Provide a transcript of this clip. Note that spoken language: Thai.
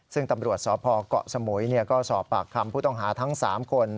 ซึ่งตำรวจสพเกาะสมุยก็สอบปากคำผู้ต้องหาทั้ง๓คน